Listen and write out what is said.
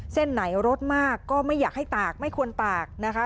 เส้นไหนรสมากก็ไม่อยากให้ตากไม่ควรตากนะคะ